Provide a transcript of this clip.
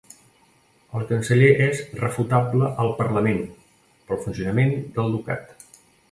El Canceller és 'refutable al Parlament' pel funcionament del ducat.